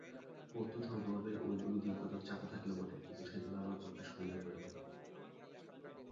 বৌদ্ধধর্মপ্রভাবে ঐগুলি দিনকতক চাপা থাকিল বটে, কিন্তু সেগুলি আবার প্রকাশ হইয়া পড়িল।